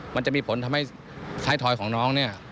มันจะมีผลทำให้ท้ายทอยของน้องเนี่ย